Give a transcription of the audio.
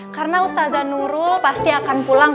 karena ustazan nurul pasti akan pulang